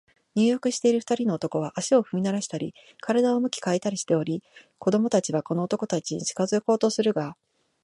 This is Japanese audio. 入浴している二人の男は、足を踏みならしたり、身体を向き変えたりしており、子供たちはこの男たちに近づこうとするが、